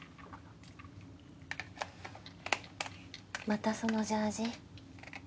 またそのジャージ。